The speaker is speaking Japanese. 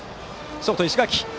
ショート、石垣！